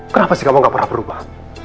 kenapa sih kamu gak pernah berubah